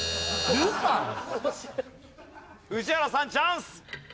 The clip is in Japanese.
宇治原さんチャンス！